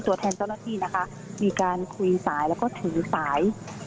ตัวแทนเจ้าหน้าที่นะคะมีการคุยสายแล้วก็ถือสาย